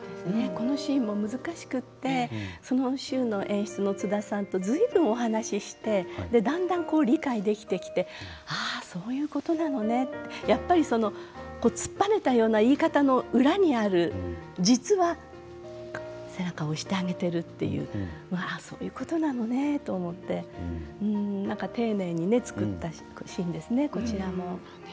このシーンも難しくてこのシーンの演出の津田さんとお話をして理解できてきてそういうことなんだなとやっぱり突っぱねたような言い方の裏にある実は背中を押してあげているというそういうことなのねと思って丁寧に作ったシーンですね